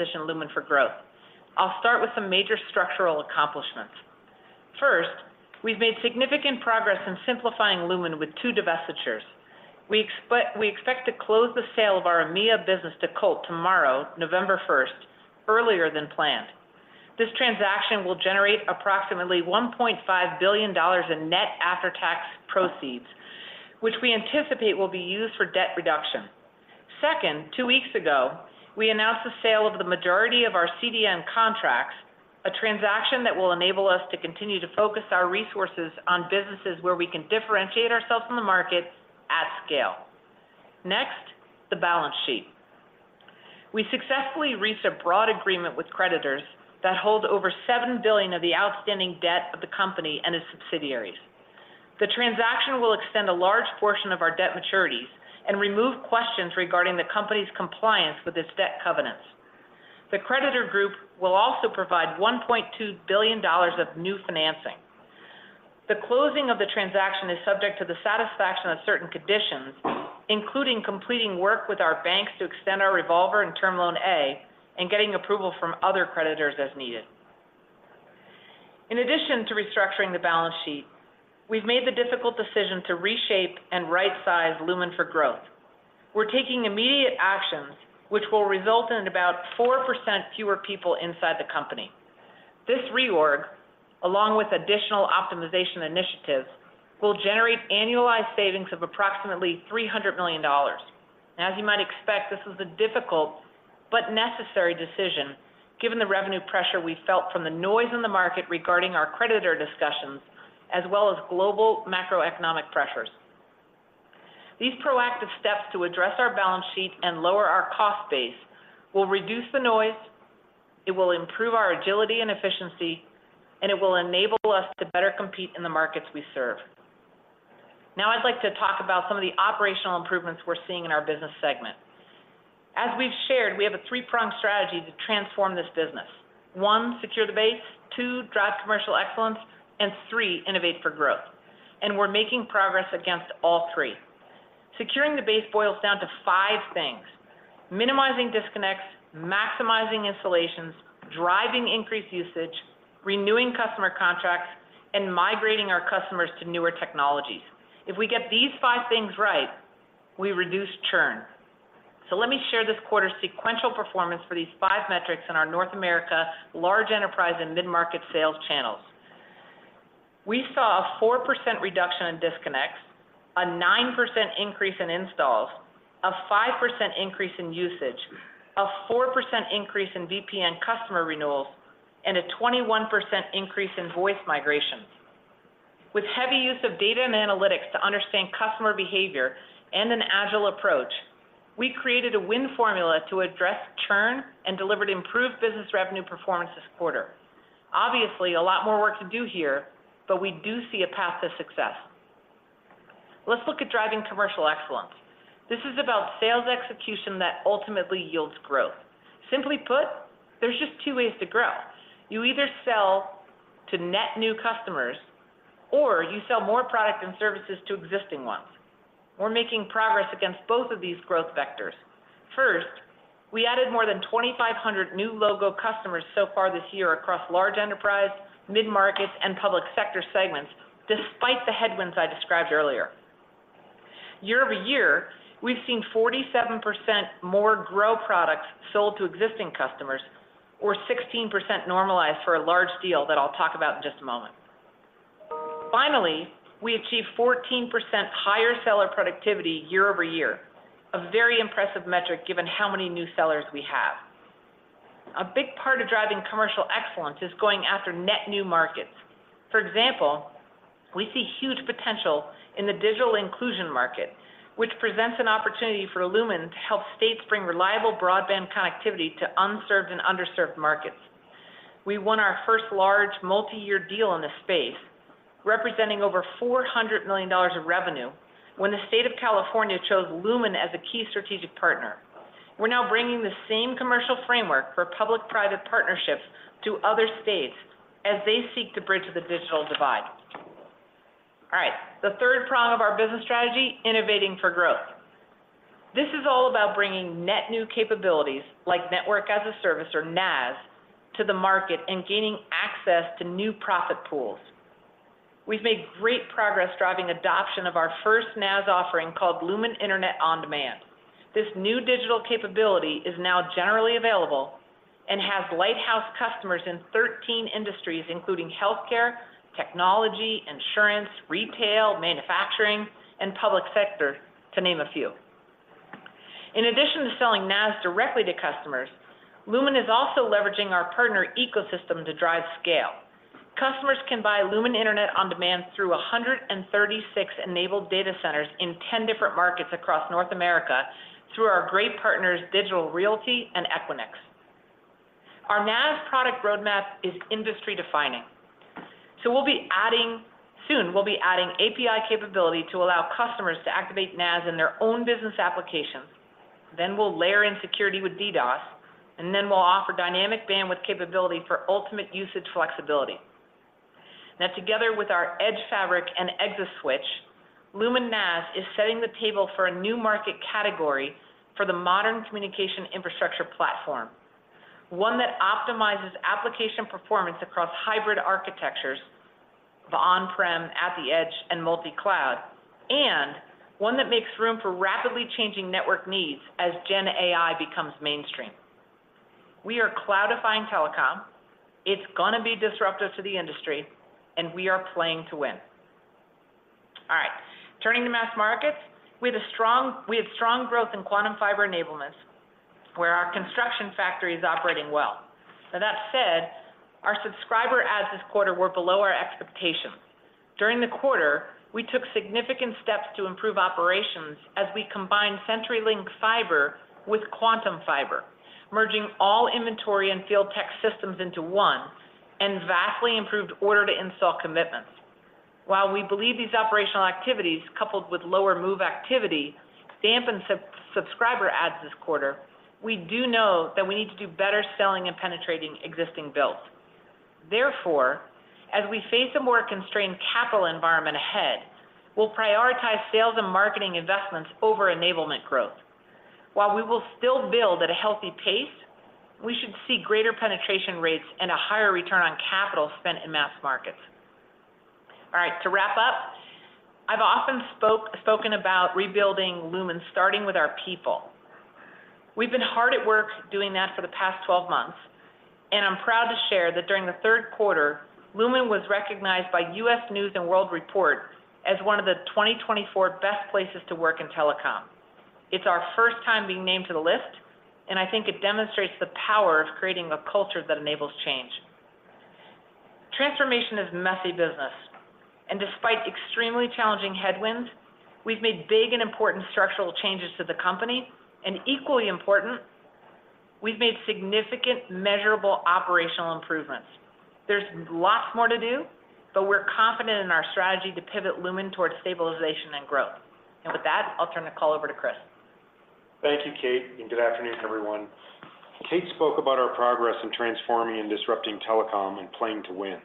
Position Lumen for growth. I'll start with some major structural accomplishments. First, we've made significant progress in simplifying Lumen with 2 divestitures. We expect to close the sale of our EMEA business to Colt tomorrow, November first, earlier than planned. This transaction will generate approximately $1.5 billion in net after-tax proceeds, which we anticipate will be used for debt reduction. Second, 2 weeks ago, we announced the sale of the majority of our CDN contracts, a transaction that will enable us to continue to focus our resources on businesses where we can differentiate ourselves in the market at scale. Next, the balance sheet. We successfully reached a broad agreement with creditors that hold over $7 billion of the outstanding debt of the company and its subsidiaries. The transaction will extend a large portion of our debt maturities and remove questions regarding the company's compliance with its debt covenants. The creditor group will also provide $1.2 billion of new financing. The closing of the transaction is subject to the satisfaction of certain conditions, including completing work with our banks to extend our revolver and term loan A, and getting approval from other creditors as needed. In addition to restructuring the balance sheet, we've made the difficult decision to reshape and right-size Lumen for growth. We're taking immediate actions, which will result in about 4% fewer people inside the company. This reorg, along with additional optimization initiatives, will generate annualized savings of approximately $300 million. As you might expect, this was a difficult but necessary decision, given the revenue pressure we felt from the noise in the market regarding our creditor discussions, as well as global macroeconomic pressures. These proactive steps to address our balance sheet and lower our cost base will reduce the noise, it will improve our agility and efficiency, and it will enable us to better compete in the markets we serve. Now, I'd like to talk about some of the operational improvements we're seeing in our business segment. As we've shared, we have a three-pronged strategy to transform this business. One, secure the base, two, drive commercial excellence, and three, innovate for growth. We're making progress against all three. Securing the base boils down to five things: minimizing disconnects, maximizing installations, driving increased usage, renewing customer contracts, and migrating our customers to newer technologies. If we get these five things right, we reduce churn. So let me share this quarter's sequential performance for these five metrics in our North America, large enterprise, and mid-market sales channels. We saw a 4% reduction in disconnects, a 9% increase in installs, a 5% increase in usage, a 4% increase in VPN customer renewals, and a 21% increase in voice migrations. With heavy use of data and analytics to understand customer behavior and an agile approach, we created a win formula to address churn and delivered improved business revenue performance this quarter. Obviously, a lot more work to do here, but we do see a path to success. Let's look at driving commercial excellence. This is about sales execution that ultimately yields growth. Simply put, there's just two ways to grow. You either sell to net new customers, or you sell more product and services to existing ones. We're making progress against both of these growth vectors. First, we added more than 2,500 new logo customers so far this year across large enterprise, mid-markets, and public sector segments, despite the headwinds I described earlier. Year-over-year, we've seen 47% more grow products sold to existing customers or 16% normalized for a large deal that I'll talk about in just a moment. Finally, we achieved 14% higher seller productivity year-over-year, a very impressive metric, given how many new sellers we have. A big part of driving commercial excellence is going after net new markets. For example, we see huge potential in the digital inclusion market, which presents an opportunity for Lumen to help states bring reliable broadband connectivity to unserved and underserved markets. We won our first large multi-year deal in this space, representing over $400 million of revenue when the state of California chose Lumen as a key strategic partner. We're now bringing the same commercial framework for public-private partnerships to other states as they seek to bridge the digital divide. All right, the third prong of our business strategy, innovating for growth. This is all about bringing net new capabilities like Network as a Service or NaaS, to the market and gaining access to new profit pools. We've made great progress driving adoption of our first NaaS offering called Lumen Internet on Demand. This new digital capability is now generally available and has lighthouse customers in 13 industries, including healthcare, technology, insurance, retail, manufacturing, and public sector, to name a few. In addition to selling NaaS directly to customers, Lumen is also leveraging our partner ecosystem to drive scale. Customers can buy Lumen Internet on Demand through 136 enabled data centers in 10 different markets across North America through our great partners, Digital Realty and Equinix. Our NaaS product roadmap is industry-defining. So we'll be adding API capability to allow customers to activate NaaS in their own business applications. Then we'll layer in security with DDoS, and then we'll offer dynamic bandwidth capability for ultimate usage flexibility. Now, together with our Edge Fabric and ExaSwitch, Lumen NaaS is setting the table for a new market category for the modern communication infrastructure platform. One that optimizes application performance across hybrid architectures of on-prem, at the edge, and multi-cloud, and one that makes room for rapidly changing network needs as Gen AI becomes mainstream. We are cloudifying telecom. It's going to be disruptive to the industry, and we are playing to win. All right, turning to mass markets. We had strong growth in Quantum Fiber enablement, where our construction factory is operating well. Now, that said, our subscriber adds this quarter were below our expectations. During the quarter, we took significant steps to improve operations as we combined CenturyLink fiber with Quantum Fiber, merging all inventory and field tech systems into one, and vastly improved order to install commitments. While we believe these operational activities, coupled with lower move activity, dampened subscriber adds this quarter, we do know that we need to do better selling and penetrating existing builds. Therefore, as we face a more constrained capital environment ahead, we'll prioritize sales and marketing investments over enablement growth. While we will still build at a healthy pace, we should see greater penetration rates and a higher return on capital spent in mass markets. All right, to wrap up, I've often spoken about rebuilding Lumen, starting with our people. We've been hard at work doing that for the past 12 months, and I'm proud to share that during the third quarter, Lumen was recognized by U.S. News & World Report as one of the 2024 Best Places to Work in Telecom. It's our first time being named to the list, and I think it demonstrates the power of creating a culture that enables change. Transformation is messy business, and despite extremely challenging headwinds, we've made big and important structural changes to the company, and equally important, we've made significant, measurable operational improvements. There's lots more to do, but we're confident in our strategy to pivot Lumen towards stabilization and growth. And with that, I'll turn the call over to Chris. Thank you, Kate, and good afternoon, everyone. Kate spoke about our progress in transforming and disrupting telecom and playing to win.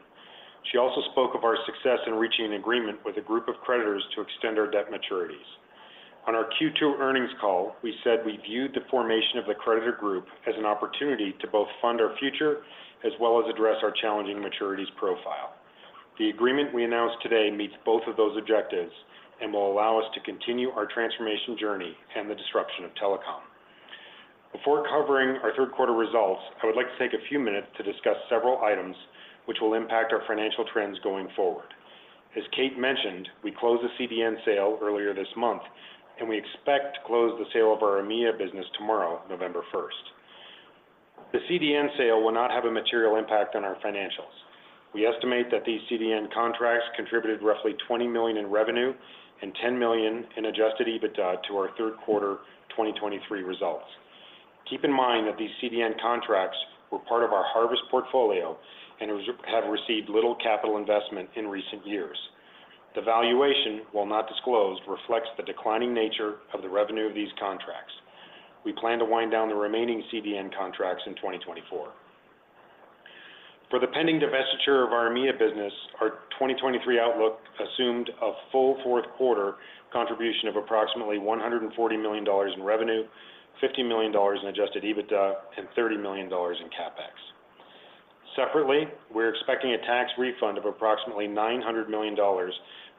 She also spoke of our success in reaching an agreement with a group of creditors to extend our debt maturities. On our Q2 earnings call, we said we viewed the formation of the creditor group as an opportunity to both fund our future as well as address our challenging maturities profile. The agreement we announced today meets both of those objectives and will allow us to continue our transformation journey and the disruption of telecom. Before covering our third quarter results, I would like to take a few minutes to discuss several items which will impact our financial trends going forward. As Kate mentioned, we closed the CDN sale earlier this month, and we expect to close the sale of our EMEA business tomorrow, November first. The CDN sale will not have a material impact on our financials. We estimate that these CDN contracts contributed roughly $20 million in revenue and $10 million in Adjusted EBITDA to our third quarter 2023 results. Keep in mind that these CDN contracts were part of our harvest portfolio and have received little capital investment in recent years. The valuation, while not disclosed, reflects the declining nature of the revenue of these contracts. We plan to wind down the remaining CDN contracts in 2024. For the pending divestiture of our EMEA business, our 2023 outlook assumed a full fourth quarter contribution of approximately $140 million in revenue, $50 million in Adjusted EBITDA, and $30 million in CapEx. Separately, we're expecting a tax refund of approximately $900 million,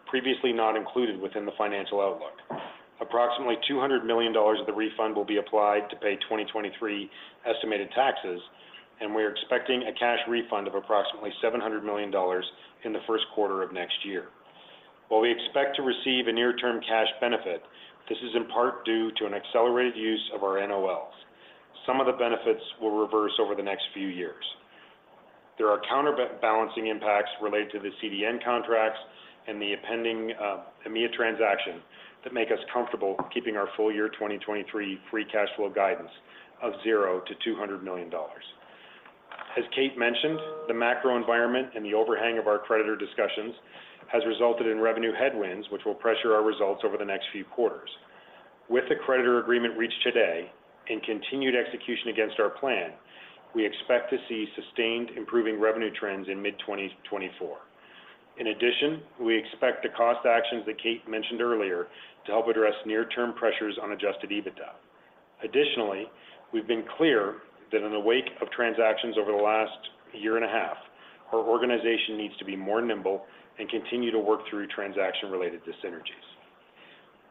previously not included within the financial outlook. Approximately $200 million of the refund will be applied to pay 2023 estimated taxes, and we are expecting a cash refund of approximately $700 million in the first quarter of next year. While we expect to receive a near-term cash benefit, this is in part due to an accelerated use of our NOLs. Some of the benefits will reverse over the next few years. There are counterbalancing impacts related to the CDN contracts and the pending EMEA transaction that make us comfortable keeping our full year 2023 free cash flow guidance of $0-$200 million. As Kate mentioned, the macro environment and the overhang of our creditor discussions has resulted in revenue headwinds, which will pressure our results over the next few quarters. With the creditor agreement reached today and continued execution against our plan, we expect to see sustained, improving revenue trends in mid-2024. In addition, we expect the cost actions that Kate mentioned earlier to help address near-term pressures on adjusted EBITDA. Additionally, we've been clear that in the wake of transactions over the last year and a half, our organization needs to be more nimble and continue to work through transaction-related dyssynergies.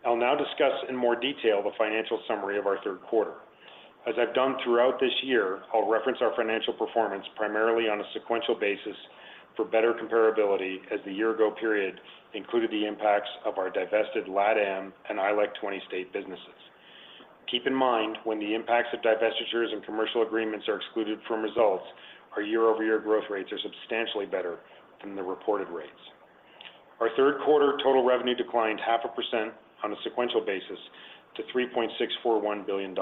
I'll now discuss in more detail the financial summary of our third quarter. As I've done throughout this year, I'll reference our financial performance primarily on a sequential basis for better comparability, as the year ago period included the impacts of our divested LatAm and ILEC 20-state businesses. Keep in mind, when the impacts of divestitures and commercial agreements are excluded from results, our year-over-year growth rates are substantially better than the reported rates. Our third quarter total revenue declined 0.5% on a sequential basis to $3.641 billion.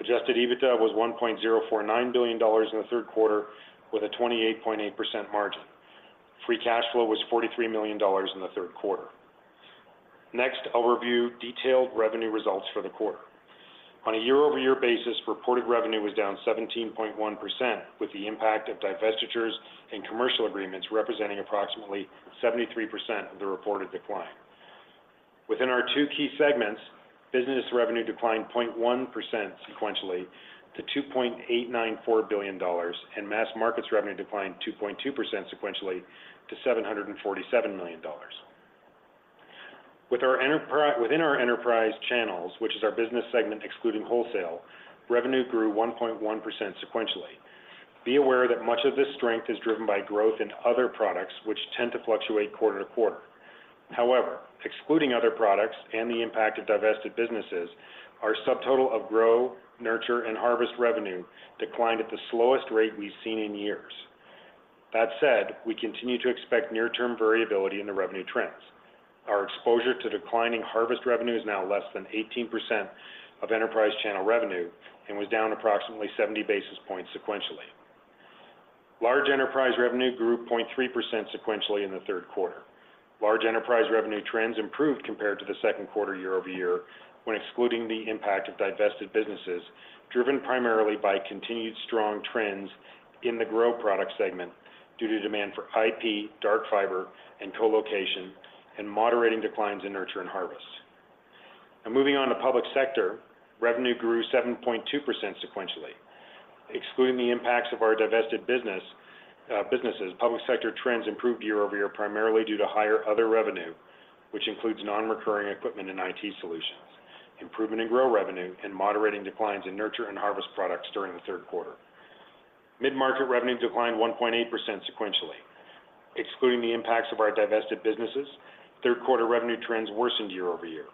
Adjusted EBITDA was $1.049 billion in the third quarter, with a 28.8% margin. Free Cash Flow was $43 million in the third quarter. Next, I'll review detailed revenue results for the quarter. On a year-over-year basis, reported revenue was down 17.1%, with the impact of divestitures and commercial agreements representing approximately 73% of the reported decline. Within our two key segments, business revenue declined 0.1% sequentially to $2.894 billion, and mass markets revenue declined 2.2% sequentially to $747 million. Within our enterprise channels, which is our business segment excluding wholesale, revenue grew 1.1% sequentially. Be aware that much of this strength is driven by growth in other products, which tend to fluctuate quarter to quarter. However, excluding other products and the impact of divested businesses, our subtotal of grow, nurture, and harvest revenue declined at the slowest rate we've seen in years. That said, we continue to expect near-term variability in the revenue trends. Our exposure to declining harvest revenue is now less than 18% of enterprise channel revenue, and was down approximately 70 basis points sequentially. Large enterprise revenue grew 0.3% sequentially in the third quarter. Large enterprise revenue trends improved compared to the second quarter year-over-year, when excluding the impact of divested businesses, driven primarily by continued strong trends in the growth product segment due to demand for IP, dark fiber, and colocation, and moderating declines in nurture and harvest. Now, moving on to public sector, revenue grew 7.2% sequentially. Excluding the impacts of our divested business, businesses, public sector trends improved year-over-year, primarily due to higher other revenue, which includes non-recurring equipment and IT solutions, improvement in Grow revenue, and moderating declines in Nurture and Harvest products during the third quarter. Mid-market revenue declined 1.8% sequentially. Excluding the impacts of our divested businesses, third quarter revenue trends worsened year-over-year.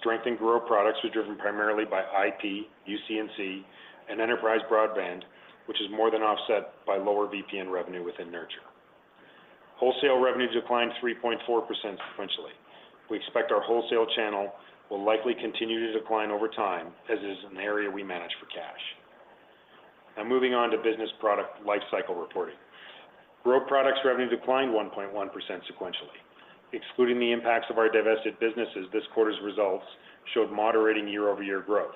Strength in Grow products was driven primarily by IP, UC&C, and enterprise broadband, which is more than offset by lower VPN revenue within Nurture. Wholesale revenue declined 3.4% sequentially. We expect our wholesale channel will likely continue to decline over time, as is an area we manage for cash. Now, moving on to business product lifecycle reporting. Grow products revenue declined 1.1% sequentially. Excluding the impacts of our divested businesses, this quarter's results showed moderating year-over-year growth.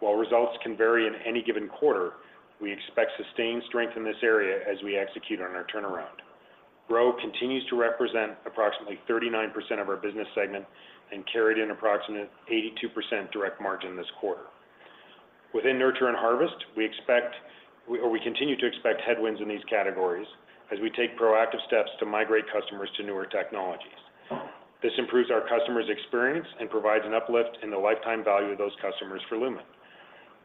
While results can vary in any given quarter, we expect sustained strength in this area as we execute on our turnaround. Grow continues to represent approximately 39% of our business segment and carried an approximate 82% direct margin this quarter. Within Nurture and Harvest, we expect, or we continue to expect headwinds in these categories as we take proactive steps to migrate customers to newer technologies. This improves our customer's experience and provides an uplift in the lifetime value of those customers for Lumen.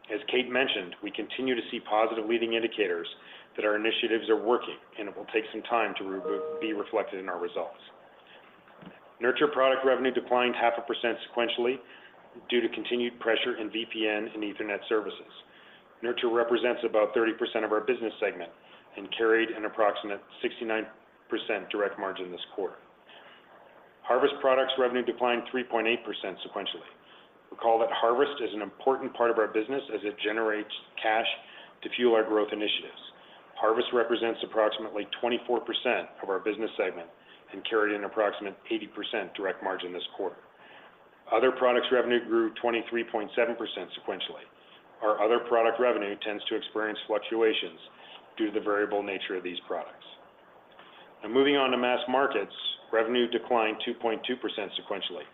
As Kate mentioned, we continue to see positive leading indicators that our initiatives are working, and it will take some time to be reflected in our results. Nurture product revenue declined 0.5% sequentially due to continued pressure in VPN and Ethernet services. Nurture represents about 30% of our business segment and carried an approximate 69% direct margin this quarter. Harvest products revenue declined 3.8% sequentially. Recall that Harvest is an important part of our business as it generates cash to fuel our growth initiatives. Harvest represents approximately 24% of our business segment and carried an approximate 80% direct margin this quarter. Other products revenue grew 23.7% sequentially. Our other product revenue tends to experience fluctuations due to the variable nature of these products. Now, moving on to Mass Markets, revenue declined 2.2% sequentially.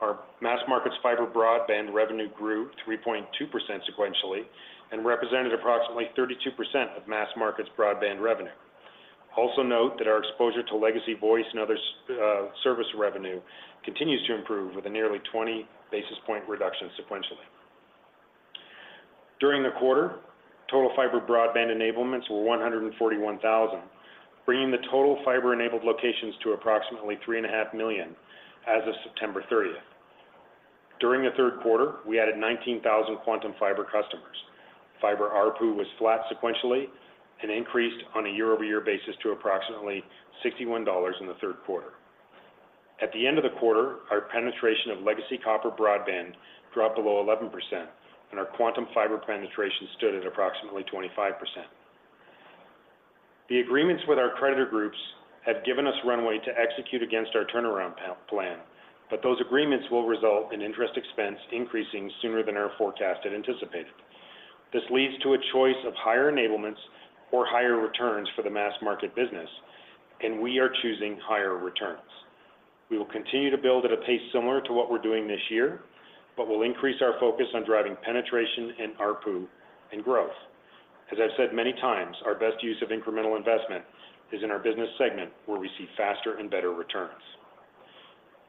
Our Mass Markets fiber broadband revenue grew 3.2% sequentially and represented approximately 32% of Mass Markets broadband revenue. Also note that our exposure to legacy voice and other service revenue continues to improve, with a nearly 20 basis point reduction sequentially. During the quarter, total fiber broadband enablements were 141,000, bringing the total fiber-enabled locations to approximately 3.5 million as of September thirtieth. During the third quarter, we added 19,000 Quantum Fiber customers. Fiber ARPU was flat sequentially and increased on a year-over-year basis to approximately $61 in the third quarter. At the end of the quarter, our penetration of legacy copper broadband dropped below 11%, and our Quantum Fiber penetration stood at approximately 25%. The agreements with our creditor groups have given us runway to execute against our turnaround plan, but those agreements will result in interest expense increasing sooner than our forecast had anticipated. This leads to a choice of higher enablements or higher returns for the mass market business, and we are choosing higher returns. We will continue to build at a pace similar to what we're doing this year, but we'll increase our focus on driving penetration and ARPU and growth. As I've said many times, our best use of incremental investment is in our business segment, where we see faster and better returns.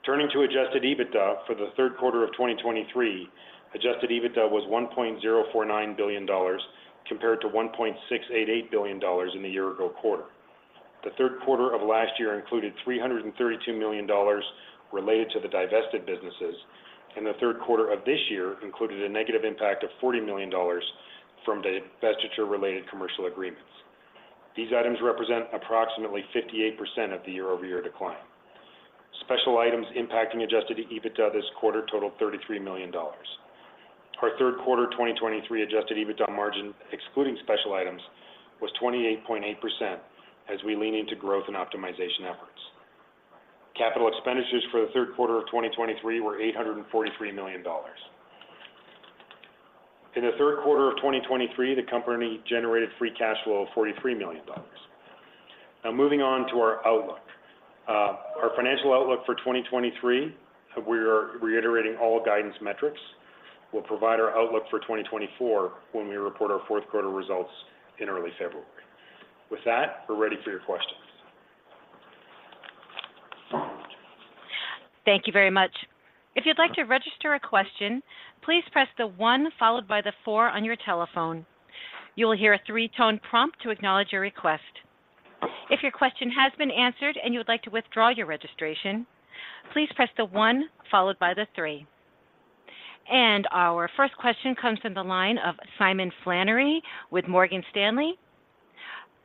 Turning to Adjusted EBITDA for the third quarter of 2023, Adjusted EBITDA was $1.049 billion, compared to $1.688 billion in the year-ago quarter. The third quarter of last year included $332 million related to the divested businesses, and the third quarter of this year included a negative impact of $40 million from the divestiture-related commercial agreements. These items represent approximately 58% of the year-over-year decline. Special items impacting Adjusted EBITDA this quarter totaled $33 million. Our third quarter 2023 Adjusted EBITDA margin, excluding special items, was 28.8% as we lean into growth and optimization efforts. Capital expenditures for the third quarter of 2023 were $843 million. In the third quarter of 2023, the company generated free cash flow of $43 million. Now moving on to our outlook. Our financial outlook for 2023, we are reiterating all guidance metrics. We'll provide our outlook for 2024 when we report our fourth quarter results in early February. With that, we're ready for your questions. Thank you very much. If you'd like to register a question, please press the one followed by the four on your telephone. You will hear a three-tone prompt to acknowledge your request. If your question has been answered and you would like to withdraw your registration, please press the one followed by the three. Our first question comes from the line of Simon Flannery with Morgan Stanley.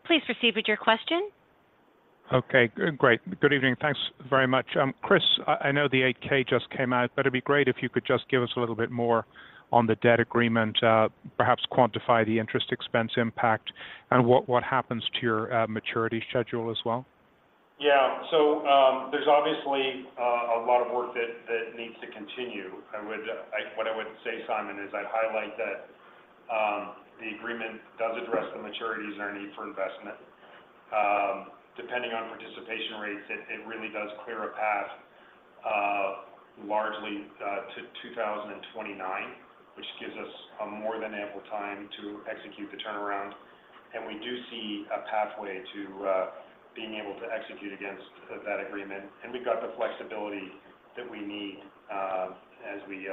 Please proceed with your question. Okay, great. Good evening, thanks very much. Chris, I know the 8-K just came out, but it'd be great if you could just give us a little bit more on the debt agreement, perhaps quantify the interest expense impact and what happens to your maturity schedule as well? Yeah. So, there's obviously a lot of work that needs to continue. I would, what I would say, Simon, is I'd highlight that, the agreement does address the maturities and our need for investment. Depending on participation rates, it really does clear a path, largely, to 2029, which gives us a more than ample time to execute the turnaround. And we do see a pathway to being able to execute against that agreement, and we've got the flexibility that we need, as we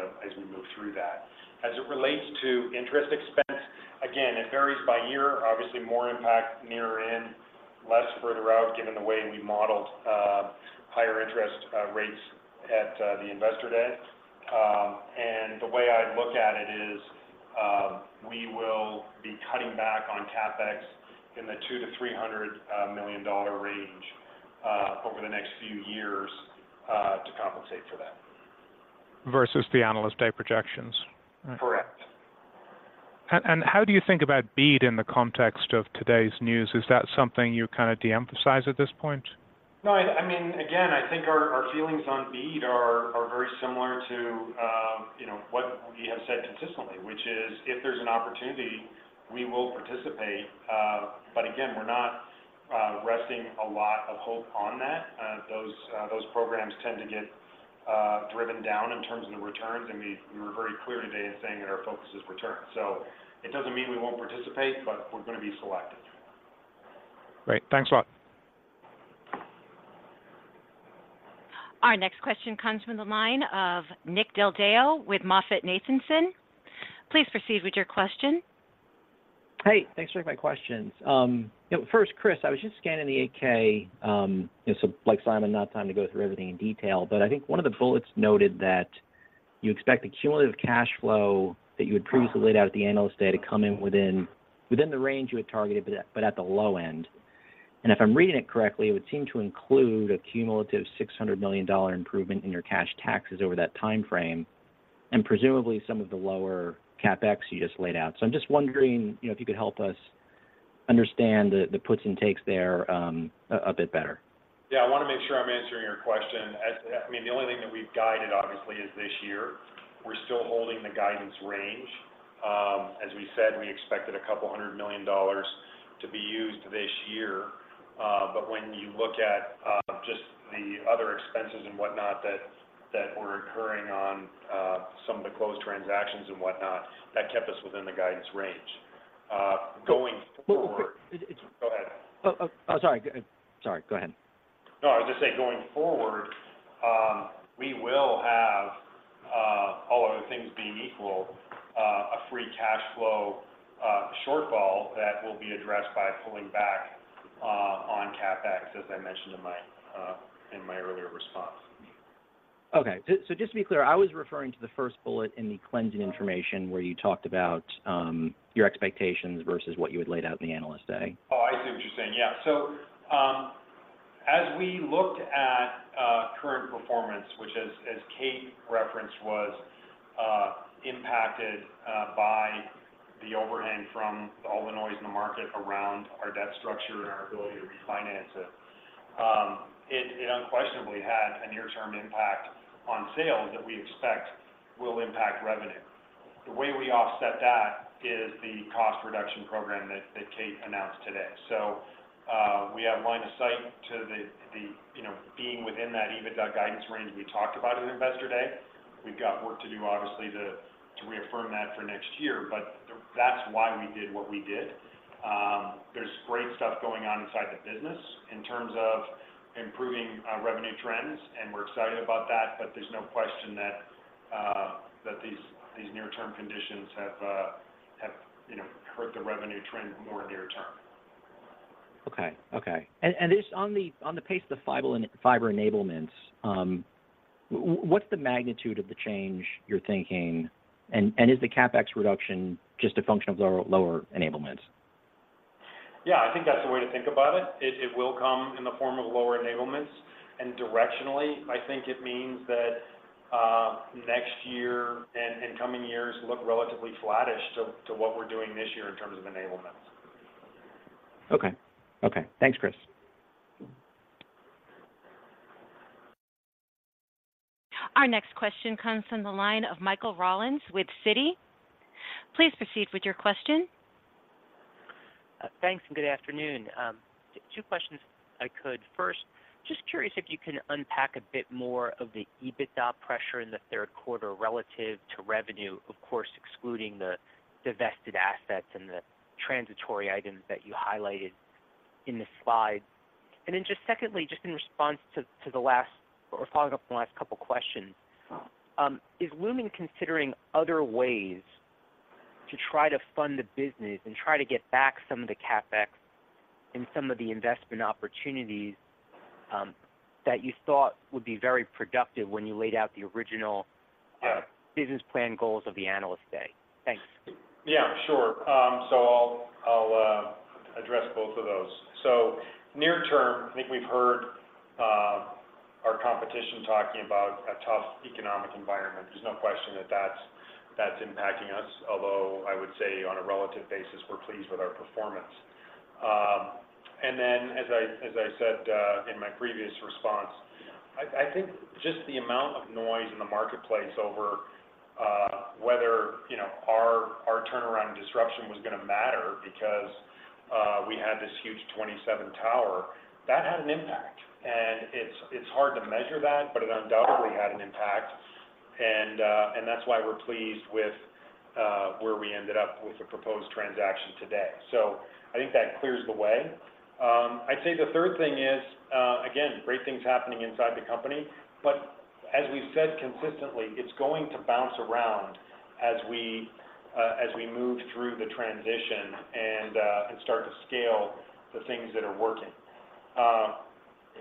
move through that. As it relates to interest expense, again, it varies by year. Obviously, more impact nearer in, less further out, given the way we modeled higher interest rates at the Investor Day. The way I look at it is, we will be cutting back on CapEx in the $200 million-$300 million range over the next few years to compensate for that. Versus the Analyst Day projections? Correct. And how do you think about BEAD in the context of today's news? Is that something you kind of de-emphasize at this point? No, I mean, again, I think our feelings on BEAD are very similar to, you know, what we have said consistently, which is, if there's an opportunity, we will participate. But again, we're not resting a lot of hope on that. Those programs tend to get driven down in terms of the returns, and we were very clear today in saying that our focus is returns. So it doesn't mean we won't participate, but we're going to be selective. Great. Thanks a lot. Our next question comes from the line of Nick Del Deo with MoffettNathanson. Please proceed with your question. Hey, thanks for taking my questions. First, Chris, I was just scanning the 8-K. So like Simon, no time to go through everything in detail, but I think one of the bullets noted that you expect the cumulative cash flow that you had previously laid out at the Analyst Day to come in within the range you had targeted, but at the low end. If I'm reading it correctly, it would seem to include a cumulative $600 million improvement in your cash taxes over that time frame, and presumably some of the lower CapEx you just laid out. So I'm just wondering if you could help us understand the puts and takes there, a bit better. Yeah, I want to make sure I'm answering your question. I mean, the only thing that we've guided, obviously, is this year. We're still holding the guidance range. As we said, we expected $200 million to be used this year, but when you look at just the other expenses and whatnot, that that were occurring on some of the closed transactions and whatnot, that kept us within the guidance range. Going forward- Well, but it- Go ahead. Oh, oh, sorry. Sorry, go ahead. No, I was just saying, going forward, we will have, all other things being equal, a Free Cash Flow shortfall that will be addressed by pulling back on CapEx, as I mentioned in my earlier response. Okay. So, so just to be clear, I was referring to the first bullet in the cleansing information where you talked about your expectations versus what you had laid out in the Analyst Day. Oh, I see what you're saying. Yeah. So, as we looked at current performance, which as Kate referenced, was impacted by the overhang from all the noise in the market around our debt structure and our ability to refinance it, it unquestionably had a near-term impact on sales that we expect will impact revenue. The way we offset that is the cost reduction program that Kate announced today. So, we have line of sight to the you know, being within that EBITDA guidance range we talked about at Investor Day. We've got work to do, obviously, to reaffirm that for next year, but that's why we did what we did. There's great stuff going on inside the business in terms of improving revenue trends, and we're excited about that, but there's no question that these near-term conditions have, you know, hurt the revenue trend more near term. Okay. Okay. And this, on the pace of the fiber enablements, what's the magnitude of the change you're thinking? And is the CapEx reduction just a function of lower enablements? ... Yeah, I think that's the way to think about it. It, it will come in the form of lower enablements, and directionally, I think it means that next year and, and coming years look relatively flattish to, to what we're doing this year in terms of enablements. Okay. Okay. Thanks, Chris. Our next question comes from the line of Michael Rollins with Citi. Please proceed with your question. Thanks, and good afternoon. Two questions if I could. First, just curious if you can unpack a bit more of the EBITDA pressure in the third quarter relative to revenue, of course, excluding the divested assets and the transitory items that you highlighted in the slide. And then just secondly, just in response to, to the last or following up on the last couple questions, is Lumen considering other ways to try to fund the business and try to get back some of the CapEx and some of the investment opportunities, that you thought would be very productive when you laid out the original, Yes... business plan goals of the Analyst Day? Thanks. Yeah, sure. So I'll address both of those. So near term, I think we've heard our competition talking about a tough economic environment. There's no question that that's impacting us, although I would say on a relative basis, we're pleased with our performance. And then as I said in my previous response, I think just the amount of noise in the marketplace over whether, you know, our turnaround and disruption was gonna matter because we had this huge 27 tower that had an impact. And it's hard to measure that, but it undoubtedly had an impact. And that's why we're pleased with where we ended up with the proposed transaction today. So I think that clears the way. I'd say the third thing is, again, great things happening inside the company, but as we've said consistently, it's going to bounce around as we move through the transition and start to scale the things that are working.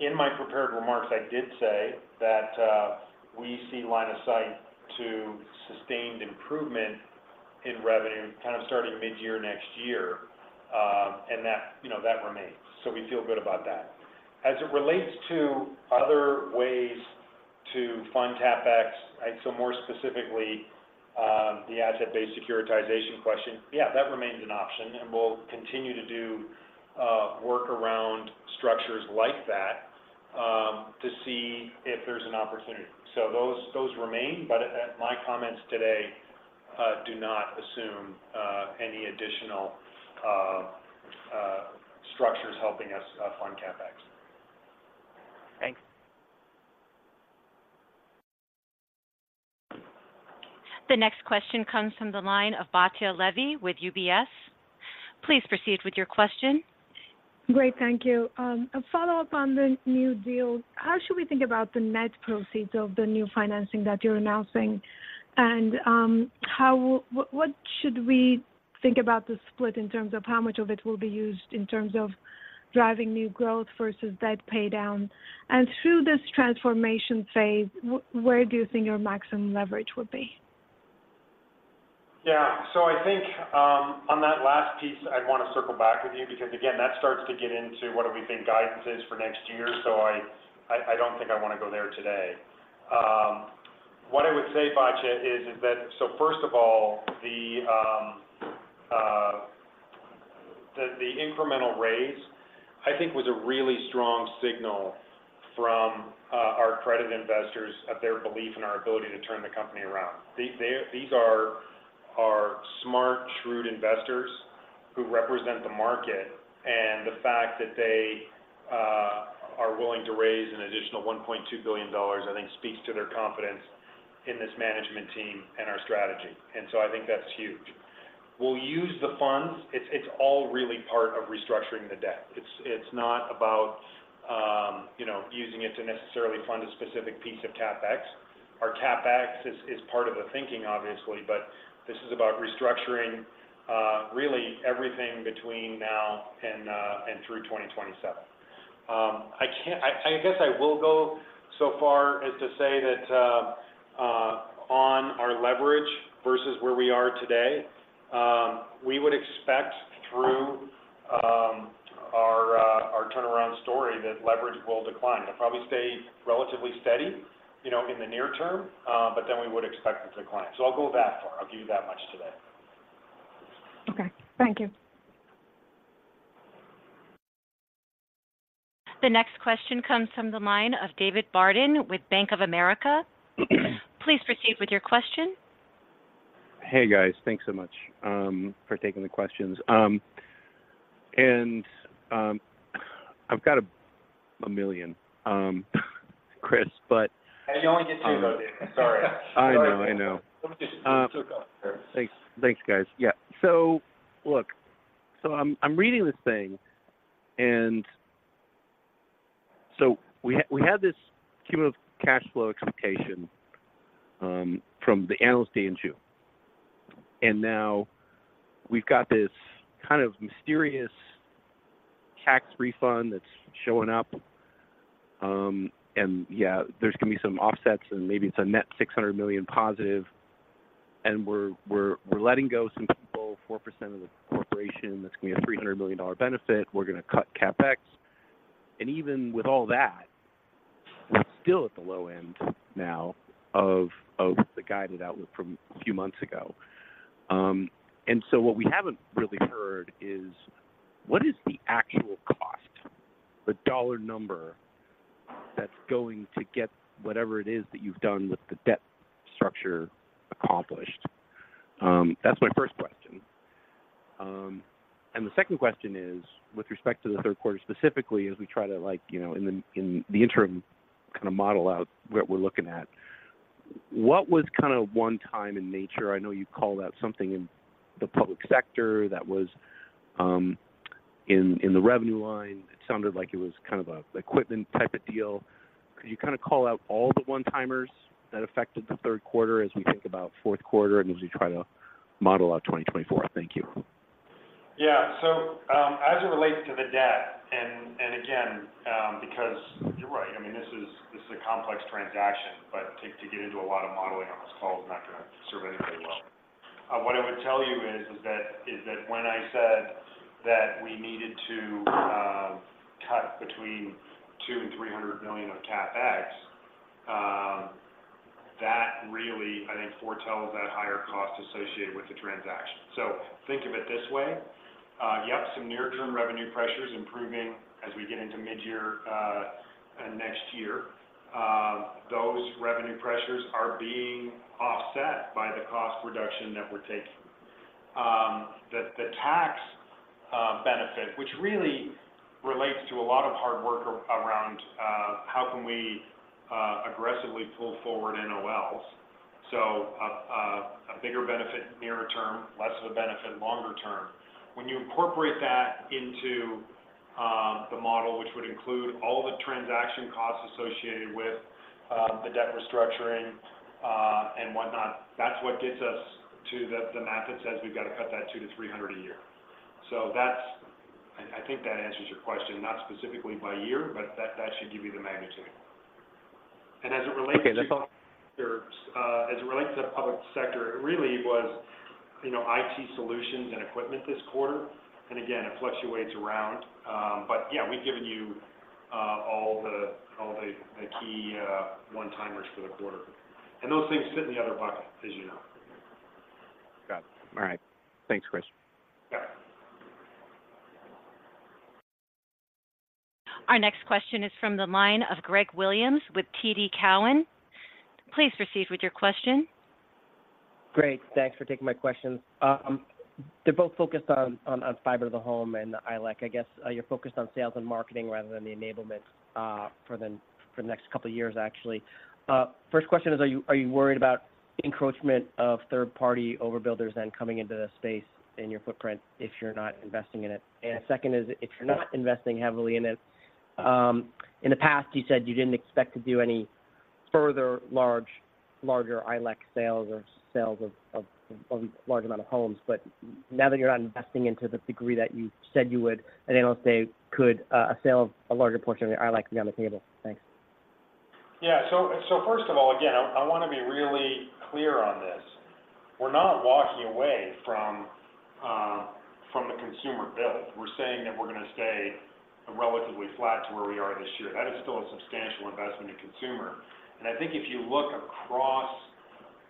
In my prepared remarks, I did say that we see line of sight to sustained improvement in revenue, kind of, starting mid-year next year, and that, you know, that remains. So we feel good about that. As it relates to other ways to fund CapEx, and so more specifically, the asset-based securitization question, yeah, that remains an option, and we'll continue to do work around structures like that to see if there's an opportunity. So those remain, but my comments today do not assume any additional structures helping us fund CapEx. Thanks. The next question comes from the line of Batya Levi with UBS. Please proceed with your question. Great, thank you. A follow-up on the new deal. How should we think about the net proceeds of the new financing that you're announcing? And, what should we think about the split in terms of how much of it will be used in terms of driving new growth versus debt paydown? And through this transformation phase, where do you think your maximum leverage would be? Yeah. So I think, on that last piece, I'd want to circle back with you, because, again, that starts to get into what do we think guidance is for next year. So I don't think I want to go there today. What I would say, Batya, is that, so first of all, the incremental raise, I think, was a really strong signal from our credit investors of their belief in our ability to turn the company around. These are smart, shrewd investors who represent the market, and the fact that they are willing to raise an additional $1.2 billion, I think, speaks to their confidence in this management team and our strategy. And so I think that's huge. We'll use the funds. It's all really part of restructuring the debt. It's not about, you know, using it to necessarily fund a specific piece of CapEx. Our CapEx is part of the thinking, obviously, but this is about restructuring really everything between now and through 2027. I can't. I guess I will go so far as to say that on our leverage versus where we are today, we would expect through our turnaround story that leverage will decline. It'll probably stay relatively steady, you know, in the near term, but then we would expect it to decline. So I'll go that far. I'll give you that much today. Okay. Thank you. The next question comes from the line of David Barden with Bank of America. Please proceed with your question. Hey, guys. Thanks so much for taking the questions. I've got a million, Chris, but- Hey, you only get two, though, dude. Sorry. I know, I know. Only get two go. Thanks. Thanks, guys. Yeah. So look, so I'm reading this thing, and so we had this cumulative cash flow expectation from the analyst day in June. And now we've got this kind of mysterious tax refund that's showing up. And yeah, there's going to be some offsets, and maybe it's a net $600 million positive, and we're letting go some people, 4% of the corporation. That's going to be a $300 million benefit. We're going to cut CapEx. And even with all that, we're still at the low end now of the guided outlook from a few months ago. And so what we haven't really heard is, what is the actual cost, the dollar number, that's going to get whatever it is that you've done with the debt structure accomplished? That's my first question. And the second question is, with respect to the third quarter, specifically, as we try to like, you know, in the, in the interim, kind of model out what we're looking at, what was kind of one time in nature? I know you called out something in the public sector that was, in, in the revenue line. It sounded like it was kind of a equipment type of deal. Could you kind of call out all the one-timers that affected the third quarter as we think about fourth quarter and as we try to model out 2024? Thank you. Yeah. So, as it relates to the debt, and again, because you're right, I mean, this is a complex transaction, but to get into a lot of modeling on this call is not going to serve anybody well. What I would tell you is that when I said that we needed to cut between $200 million and $300 million of CapEx, that really, I think, foretells that higher cost associated with the transaction. So think of it this way: yep, some near-term revenue pressures improving as we get into mid-year, and next year. Those revenue pressures are being offset by the cost reduction that we're taking. The tax benefit, which really relates to a lot of hard work around how we can aggressively pull forward NOLs. So a bigger benefit nearer term, less of a benefit longer term. When you incorporate that into the model, which would include all the transaction costs associated with the debt restructuring and whatnot, that's what gets us to the math that says we've got to cut that $200-$300 a year. So that's. I think that answers your question, not specifically by year, but that should give you the magnitude. And as it relates to- Okay, that's all. As it relates to the public sector, it really was, you know, IT solutions and equipment this quarter, and again, it fluctuates around. But yeah, we've given you all the key one-timers for the quarter, and those things fit in the other bucket, as you know. Got it. All right. Thanks, Chris. Yeah. Our next question is from the line of Greg Williams with TD Cowen. Please proceed with your question. Great. Thanks for taking my questions. They're both focused on fiber to the home and ILEC. I guess you're focused on sales and marketing rather than the enablement for the next couple of years, actually. First question is, are you worried about encroachment of third-party overbuilders then coming into the space in your footprint if you're not investing in it? And second is, if you're not investing heavily in it, in the past, you said you didn't expect to do any further large, larger ILEC sales or sales of large amount of homes. But now that you're not investing into the degree that you said you would, and I'll say, could a sale of a larger portion of the ILEC be on the table? Thanks. Yeah. So first of all, again, I want to be really clear on this. We're not walking away from the consumer build. We're saying that we're going to stay relatively flat to where we are this year. That is still a substantial investment in consumer. And I think if you look across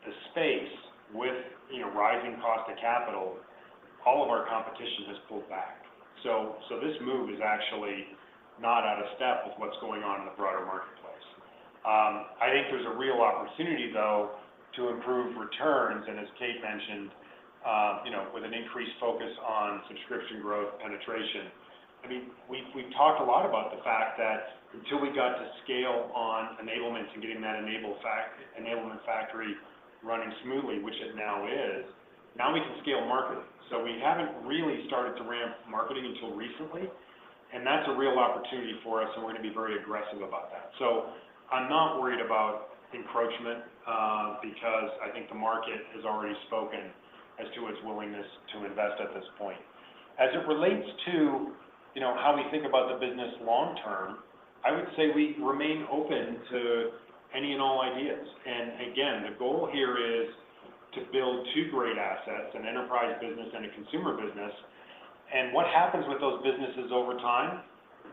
the space with, you know, rising cost of capital, all of our competition has pulled back. So this move is actually not out of step with what's going on in the broader marketplace. I think there's a real opportunity, though, to improve returns, and as Kate mentioned, you know, with an increased focus on subscription growth penetration. I mean, we've talked a lot about the fact that until we got to scale on enablement and getting that enablement factory running smoothly, which it now is, now we can scale marketing. So we haven't really started to ramp marketing until recently, and that's a real opportunity for us, and we're going to be very aggressive about that. So I'm not worried about encroachment, because I think the market has already spoken as to its willingness to invest at this point. As it relates to, you know, how we think about the business long term, I would say we remain open to any and all ideas. And again, the goal here is to build two great assets, an enterprise business and a consumer business. And what happens with those businesses over time,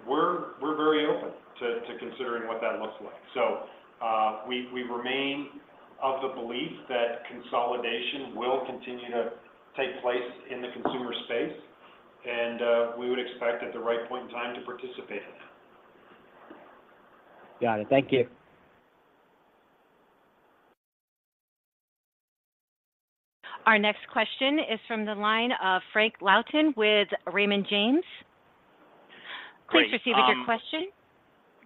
we're very open to considering what that looks like. We remain of the belief that consolidation will continue to take place in the consumer space, and we would expect at the right point in time to participate in that. Got it. Thank you. Our next question is from the line of Frank Louthan with Raymond James. Great, um- Please proceed with your question.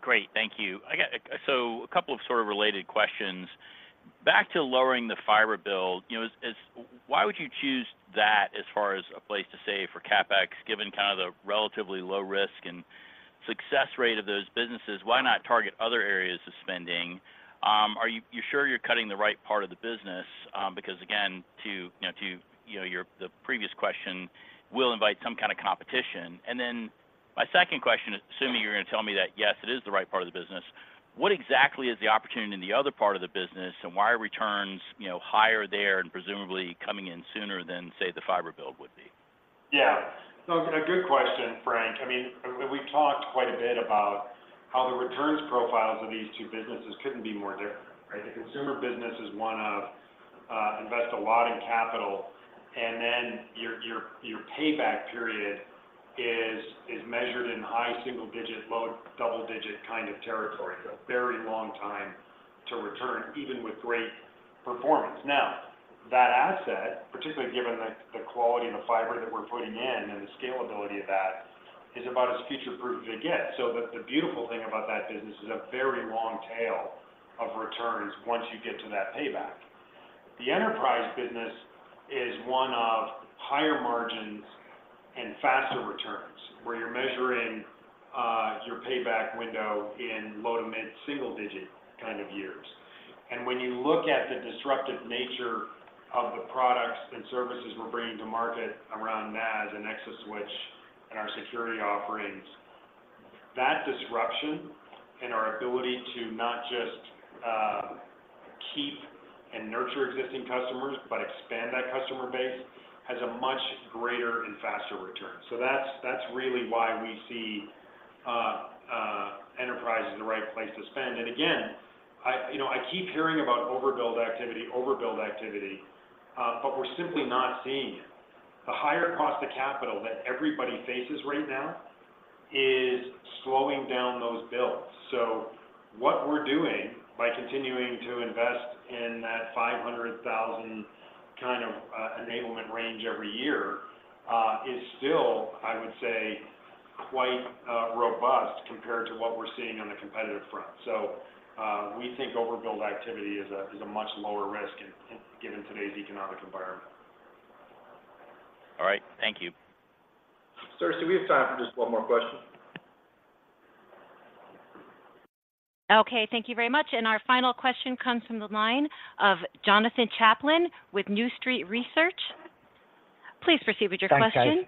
Great. Thank you. So a couple of sort of related questions. Back to lowering the fiber build, you know, why would you choose that as far as a place to save for CapEx, given kind of the relatively low risk and success rate of those businesses? Why not target other areas of spending?... are you sure you're cutting the right part of the business? Because again, you know, the previous question will invite some kind of competition. And then my second question is, assuming you're gonna tell me that, yes, it is the right part of the business, what exactly is the opportunity in the other part of the business, and why are returns, you know, higher there and presumably coming in sooner than, say, the fiber build would be? Yeah. So a good question, Frank. I mean, we've talked quite a bit about how the returns profiles of these two businesses couldn't be more different, right? The consumer business is one of invest a lot in capital, and then your payback period is measured in high single-digit, low double-digit kind of territory. So a very long time to return, even with great performance. Now, that asset, particularly given the quality of the fiber that we're putting in and the scalability of that, is about as future-proof as it gets. So the beautiful thing about that business is a very long tail of returns once you get to that payback. The enterprise business is one of higher margins and faster returns, where you're measuring your payback window in low- to mid-single-digit kind of years. When you look at the disruptive nature of the products and services we're bringing to market around NaaS and ExaSwitch and our security offerings, that disruption and our ability to not just keep and nurture existing customers, but expand that customer base, has a much greater and faster return. So that's really why we see enterprise as the right place to spend. And again, I, you know, I keep hearing about overbuild activity, overbuild activity, but we're simply not seeing it. The higher cost of capital that everybody faces right now is slowing down those builds. So what we're doing by continuing to invest in that 500,000 kind of enablement range every year is still, I would say, quite robust compared to what we're seeing on the competitive front. So, we think overbuild activity is a much lower risk in, given today's economic environment. All right. Thank you. Circe, we have time for just one more question. Okay, thank you very much. Our final question comes from the line of Jonathan Chaplin with New Street Research. Please proceed with your question. Thanks,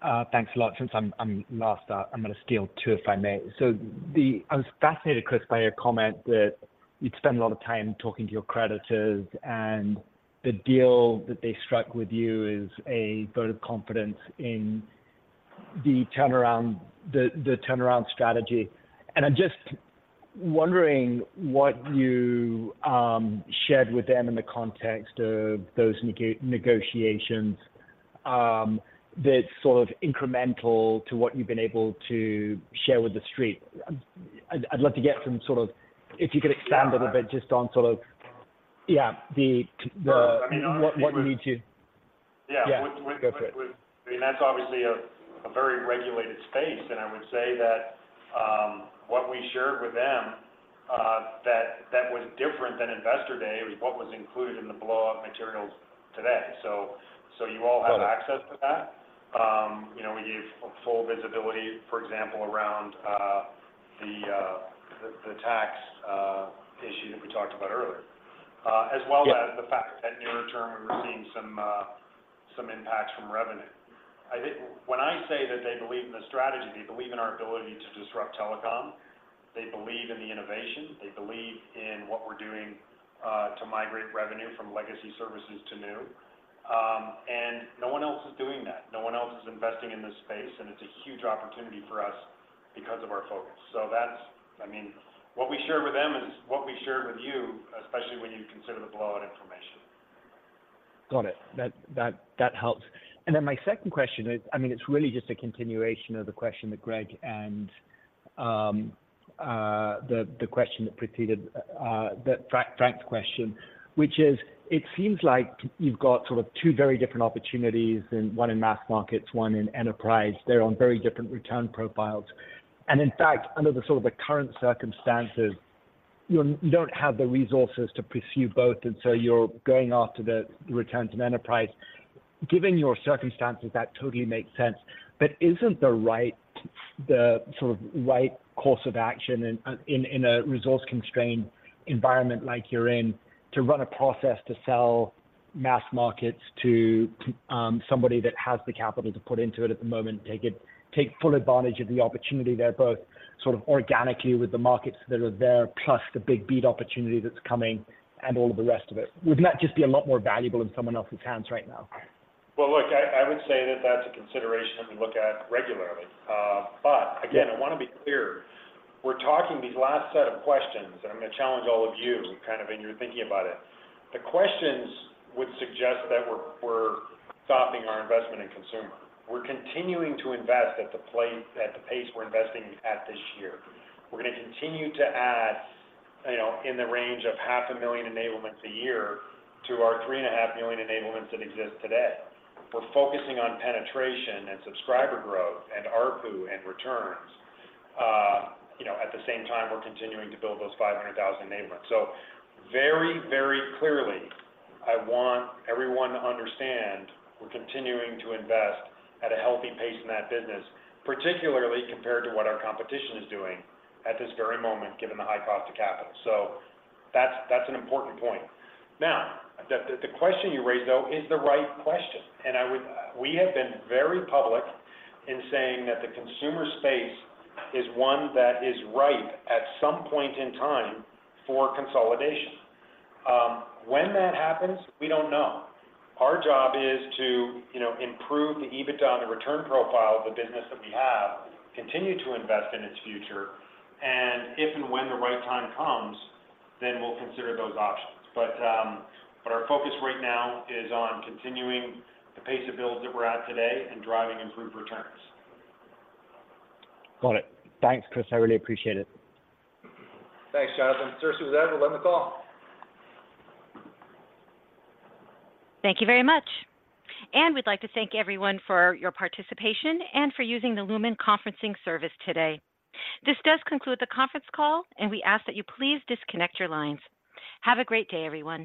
guys. Thanks a lot. Since I'm last up, I'm gonna steal two, if I may. So the... I was fascinated, Chris, by your comment that you'd spend a lot of time talking to your creditors, and the deal that they struck with you is a vote of confidence in the turnaround strategy. And I'm just wondering what you shared with them in the context of those negotiations, that's sort of incremental to what you've been able to share with the street. I'd love to get some sort of... If you could expand a little bit just on sort of- Yeah. Yeah, the- Sure. I mean, obviously- What you need to- Yeah. Yeah. Go for it. I mean, that's obviously a very regulated space, and I would say that what we shared with them, that was different than Investor Day, was what was included in the blow-up materials today. So you all have- Got it... access to that. You know, we gave full visibility, for example, around the tax issue that we talked about earlier. As well as- Yeah... the fact that near term, we're seeing some impacts from revenue. I think when I say that they believe in the strategy, they believe in our ability to disrupt telecom, they believe in the innovation, they believe in what we're doing to migrate revenue from legacy services to new. And no one else is doing that. No one else is investing in this space, and it's a huge opportunity for us because of our focus. So that's, I mean, what we shared with them is what we shared with you, especially when you consider the blow-out information. Got it. That helps. And then my second question is, I mean, it's really just a continuation of the question that Greg and the question that preceded Frank's question, which is: It seems like you've got sort of two very different opportunities, and one in mass markets, one in enterprise. They're on very different return profiles, and in fact, under the sort of the current circumstances, you don't have the resources to pursue both, and so you're going after the returns in enterprise. Given your circumstances, that totally makes sense. But isn't the right, the sort of right course of action in a resource-constrained environment like you're in, to run a process to sell mass markets to somebody that has the capital to put into it at the moment, take full advantage of the opportunity there, both sort of organically with the markets that are there, plus the big beat opportunity that's coming and all of the rest of it? Wouldn't that just be a lot more valuable in someone else's hands right now? Well, look, I would say that that's a consideration that we look at regularly. But again- Yeah... I wanna be clear. We're talking these last set of questions, and I'm gonna challenge all of you, kind of, in your thinking about it. The questions would suggest that we're stopping our investment in consumer. We're continuing to invest at the pace we're investing at this year. We're gonna continue to add, you know, in the range of 500,000 enablements a year to our 3.5 million enablements that exist today. We're focusing on penetration and subscriber growth and ARPU and returns. You know, at the same time, we're continuing to build those 500,000 enablements. So very, very clearly, I want everyone to understand we're continuing to invest at a healthy pace in that business, particularly compared to what our competition is doing at this very moment, given the high cost of capital. So that's an important point. Now, the question you raised, though, is the right question, and we have been very public in saying that the consumer space is one that is ripe at some point in time for consolidation. When that happens, we don't know. Our job is to, you know, improve the EBITDA and the return profile of the business that we have, continue to invest in its future, and if and when the right time comes, then we'll consider those options. But our focus right now is on continuing the pace of builds that we're at today and driving improved returns. Got it. Thanks, Chris. I really appreciate it. Thanks, Jonathan. Circe, who's left on the call? Thank you very much, and we'd like to thank everyone for your participation and for using the Lumen conferencing service today. This does conclude the conference call, and we ask that you please disconnect your lines. Have a great day, everyone.